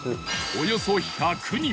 およそ１００人